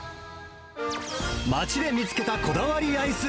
町で見つけたこだわりアイス。